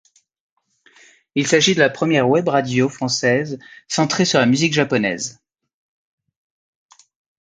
Il s'agit de la première webradio française centrée sur la musique japonaise.